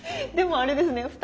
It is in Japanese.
でもあれですね。